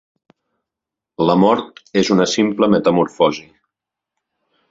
La mort és una simple metamorfosi.